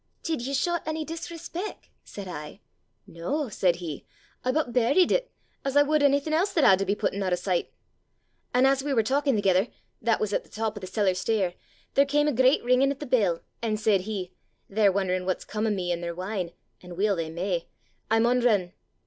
'Did ye show 't ony disrespec'?' said I. 'No,' said he; 'I but buried it, as I would onything else that had to be putten oot o' sicht,' An' as we wur talkin' thegither that was at the top o' the cellar stair there cam a great ringin' at the bell, an' said he, 'They're won'erin' what's come o' me an' their wine, an' weel they may! I maun rin.